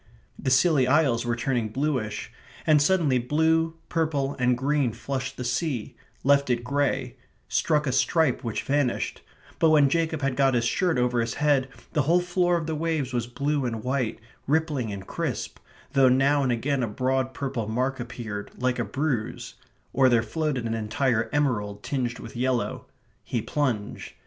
The Scilly Isles were turning bluish; and suddenly blue, purple, and green flushed the sea; left it grey; struck a stripe which vanished; but when Jacob had got his shirt over his head the whole floor of the waves was blue and white, rippling and crisp, though now and again a broad purple mark appeared, like a bruise; or there floated an entire emerald tinged with yellow. He plunged.